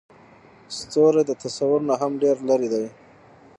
ستوري د تصور نه هم ډېر لرې دي.